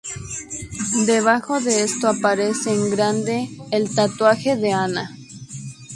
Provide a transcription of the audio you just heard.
Debajo de esto aparece en grande el tatuaje de Ana.